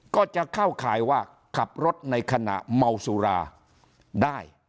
ก็จะเข้าข่ายว่าขับรถในขณะเมาสุราได้